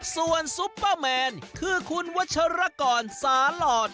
ส่วนซุปเปอร์แมนคือคุณวัชรกรสาหลอด